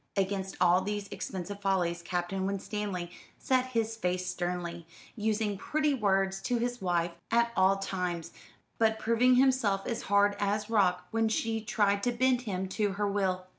Against all these expensive follies Captain Winstanley set his face sternly, using pretty words to his wife at all times, but proving himself as hard as rock when she tried to bend him to her will.